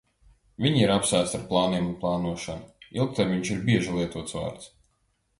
Viņi ir apsēsti ar plāniem un plānošanu. Ilgtermiņš ir bieži lietots vārds.